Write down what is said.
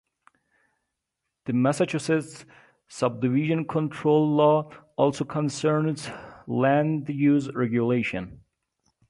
The Massachusetts Subdivision Control Law also concerns land use regulation.